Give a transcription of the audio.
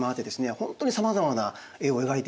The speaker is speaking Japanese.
本当にさまざまな絵を描いています。